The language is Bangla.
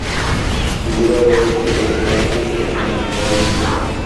বুড়া বয়সে রোগ না হইলে আর মরণ হয় না!